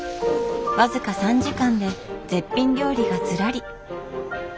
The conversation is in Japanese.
僅か３時間で絶品料理がずらり。